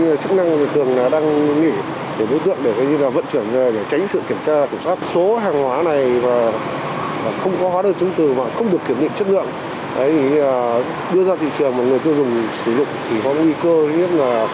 thì đưa ra thị trường mà người tiêu dùng sử dụng thì có nguy cơ nhất là không đảm bảo về sức khỏe